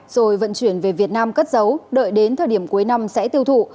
rồi vận chuyển về việt nam cất giấu đợi đến thời điểm cuối năm sẽ tiêu thụ